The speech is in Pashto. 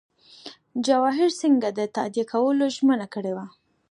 جواهر سینګه د تادیه کولو ژمنه کړې وه.